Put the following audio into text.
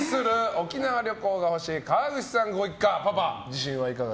沖縄旅行が欲しい川口さんご一家。